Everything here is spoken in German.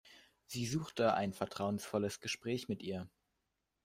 Sie suchte ein vertrauensvolles Gespräch mit ihr.